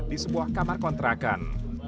di sebuah kamar kontrakan